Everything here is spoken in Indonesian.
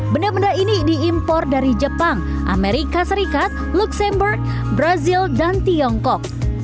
benda benda ini diimpor dari jepang amerika serikat luxemberg brazil dan tiongkok